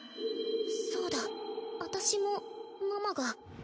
そうだ私もママが。